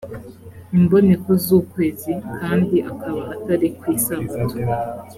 imboneko z’ukwezi kandi akaba atari ku isabato